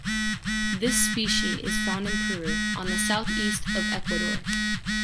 This specie is found in Peru on the south east of Ecuador.